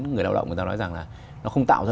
người lao động người ta nói rằng là nó không tạo ra